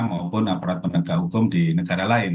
maupun aparat penegak hukum di negara lain